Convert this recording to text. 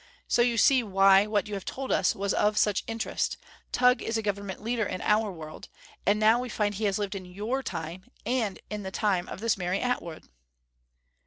So you see why what you have told us was of such interest. Tugh is a Government leader in our world; and now we find he has lived in your Time, and in the Time of this Mary Atwood."